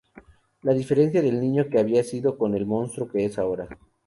La diferencia del niño que había sido con el monstruo que es ahora.